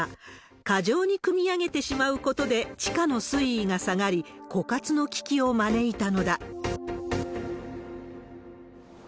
過剰にくみ上げてしまうことで、地下の水位が下がり、枯渇の危機を招いたのだ。